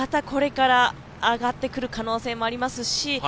これから上がってくる可能性もありますし